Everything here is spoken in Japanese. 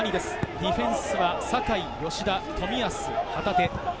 ディフェンスは酒井、吉田、冨安、旗手。